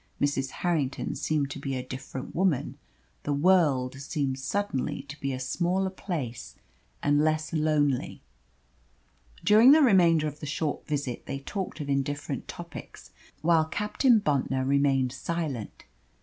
Mrs. Harrington seemed to be a different woman the world seemed suddenly to be a smaller place and less lonely. During the remainder of the short visit they talked of indifferent topics, while Captain Bontnor remained silent.